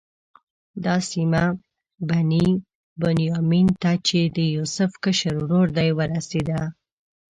دا سیمه بني بنیامین ته چې د یوسف کشر ورور دی ورسېده.